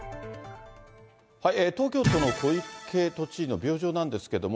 東京都の小池都知事の病状なんですけれども、